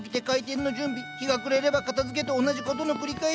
日が暮れれば片づけと同じ事の繰り返し。